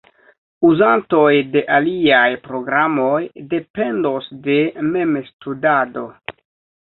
Uzantoj de aliaj programoj dependos de memstudado.